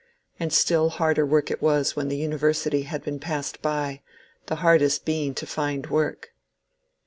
And still harder work it was when the University had been passed by, the hardest being to find work.